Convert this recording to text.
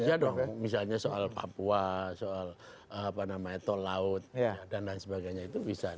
iya dong misalnya soal papua soal apa namanya tol laut dan lain sebagainya itu bisa